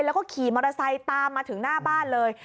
แล้วก็ขี่มอเตอร์ไซค์ตามมาถึงหน้าบ้านเลย